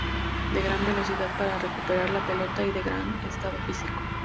De gran velocidad para recuperar la pelota y de gran estado físico.